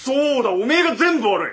おめえが全部悪い！